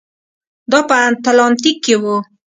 دا په اتلانتیک کې و.